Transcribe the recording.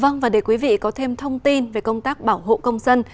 vâng và để quý vị có thêm thông tin về công tác bảo hộ công dân